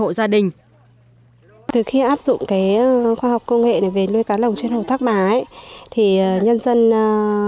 từ khi áp dụng khoa học công nghệ về nuôi cá lồng trên hồ thác bà